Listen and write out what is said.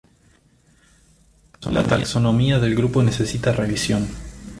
La taxonomía del grupo necesita revisión.